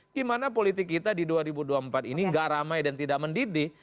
gimana politik kita di dua ribu dua puluh empat ini gak ramai dan tidak mendidih